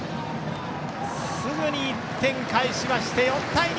すぐに１点返して４対２。